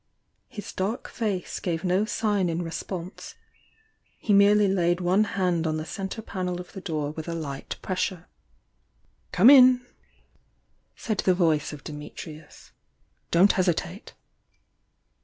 His dark face gave no sign in response; he merely laid one hand on the centre panel of the door with a light pressure. "Come in!" said the voice of Dimitrius. "Don't hesitate!"